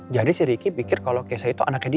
jadi si riki pikir kalau kc itu anaknya dia